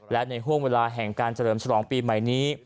และในห่วงเวลาแห่งการเฉลิมฉลองปีใหม่นี้